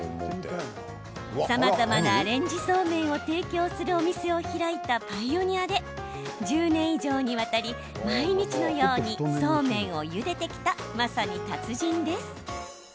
さまざまなアレンジそうめんを提供するお店を開いたパイオニアで１０年以上にわたり毎日のようにそうめんをゆでてきたまさに達人です。